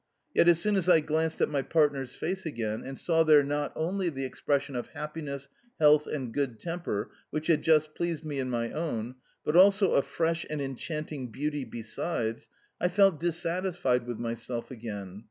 Yet as soon as I glanced at my partner's face again, and saw there not only the expression of happiness, health, and good temper which had just pleased me in my own, but also a fresh and enchanting beauty besides, I felt dissatisfied with myself again.